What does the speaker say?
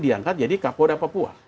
diangkat jadi kapoda papua